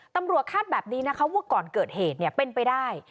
คาดแบบนี้นะคะว่าก่อนเกิดเหตุเป็นไปได้